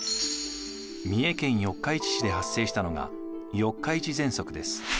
三重県四日市市で発生したのが四日市ぜんそくです。